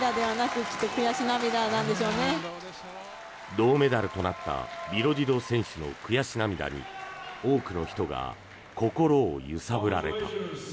銅メダルとなったビロディド選手の悔し涙に多くの人が心を揺さぶられた。